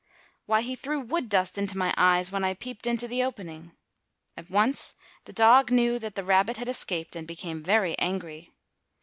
"Why, he threw wood dust into my eyes when I peeped into the opening." At once the dog knew that the rabbit had escaped and became very angry.